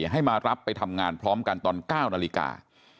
ให้มารับไปทำงานพร้อมกันตอน๙นาฬิกา